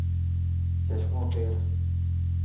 چشمو پير.